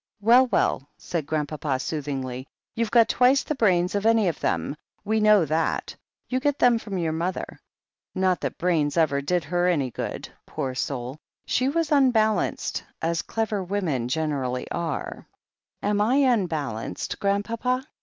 "Well, well," said Grandpapa soothingly, "you've got twice the brains of any of them, we know that. You get them from your mother. Not that brains ever did her any good, poor soul — ^she was tinbalanced, as clever women generally are." "Am I unbalanced. Grandpapa?"